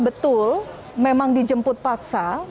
betul memang dijemput paksa